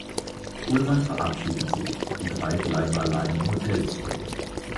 Ullman verabschiedet sich, die drei bleiben allein im Hotel zurück.